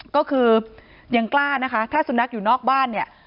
ก็คือยังกล้านะคะถ้าสุนัขอยู่นอกบ้านเนี่ย